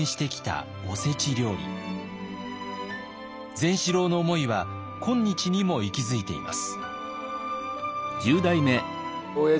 善四郎の思いは今日にも息づいています。